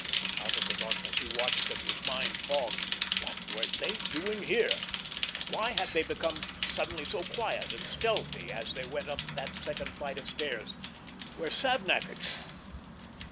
Out of the darkness he watched them, his mind fogged. What were they doing here? Why had they become suddenly so quiet and stealthy as they went up that second flight of stairs—where Savnak had gone!